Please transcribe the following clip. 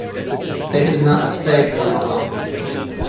They did not stay for long.